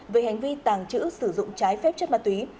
về hành vi tàng trữ sử dụng trái phép chất ma túy